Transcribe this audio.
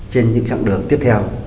trên những chặng đường tiếp theo